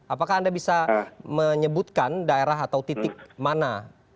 apakah anda bisa menyebutkan daerah atau titik mana